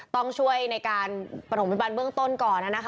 ต้องช่วยในการประถมพยาบาลเบื้องต้นก่อนนะคะ